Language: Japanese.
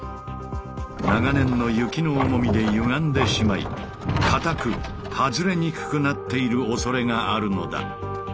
長年の雪の重みでゆがんでしまいかたく外れにくくなっているおそれがあるのだ。